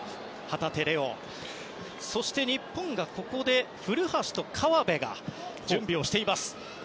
そして日本はここで古橋と川辺が準備をしています。